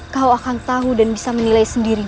kau akan tahu dan bisa menilai sendiri